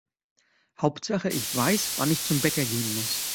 Hauptsache ich weiß, wann ich zum Bäcker gehen muss.